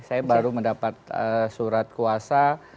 saya baru mendapat surat kuasa